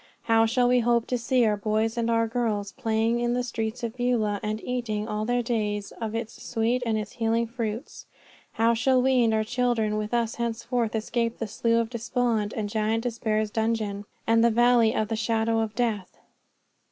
How shall we hope to see our boys and our girls playing in the streets of Beulah, and eating all their days of its sweet and its healing fruits? How shall we and our children with us henceforth escape the Slough of Despond, and Giant Despair's dungeon, and the Valley of the Shadow of Death?